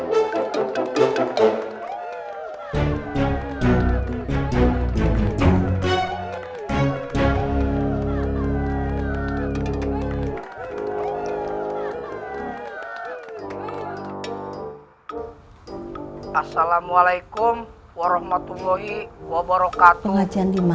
waalaikumsalam warahmatullahi wabarakatuh